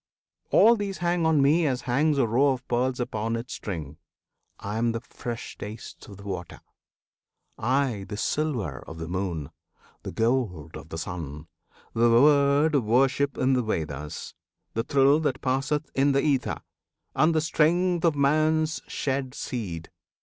All these hang on me As hangs a row of pearls upon its string. I am the fresh taste of the water; I The silver of the moon, the gold o' the sun, The word of worship in the Veds, the thrill That passeth in the ether, and the strength Of man's shed seed.